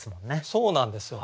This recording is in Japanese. そうなんですよ！